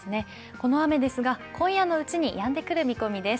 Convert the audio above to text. この雨ですが、今夜のうちにやんでくる見込みです。